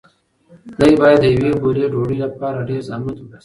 دی باید د یوې ګولې ډوډۍ لپاره ډېر زحمت وباسي.